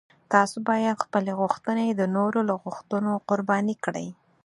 تاسو باید خپلې غوښتنې د نورو له غوښتنو قرباني کړئ.